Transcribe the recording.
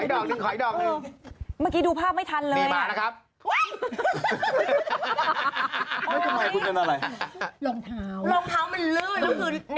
ต้องโทษที่แทปพันธุรายณ์อยู่